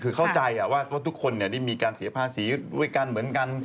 คือเข้าใจว่ารถทุกคนได้มีการเสียภาษีด้วยกันเหมือนกัน